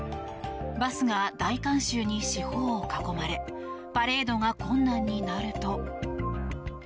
バスが大観衆に四方を囲まれパレードが困難になると。